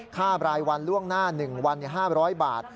รายวันล่วงหน้า๑วัน๕๐๐บาท